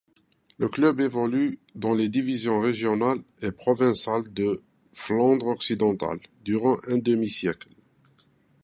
Le club évolue dans les divisions régionales et provinciales de Flandre-Occidentale durant un demi-siècle.